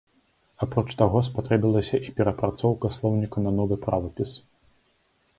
Апроч таго, спатрэбілася і перапрацоўка слоўніка на новы правапіс.